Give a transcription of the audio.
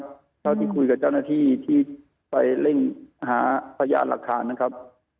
เท่าที่คุยกับเจ้าหน้าที่ที่ไปเร่งหาพยานหลักฐานนะครับ